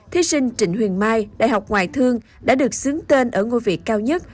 thí sinh trịnh huỳnh mai đại học ngoại thương đã được sướng tên ở ngôi vị cao nhất